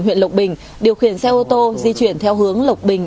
huyện lộc bình điều khiển xe ô tô di chuyển theo hướng lộc bình